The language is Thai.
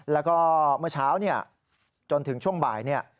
แล้วก็เมื่อเช้าจนถึงช่วงบ่าย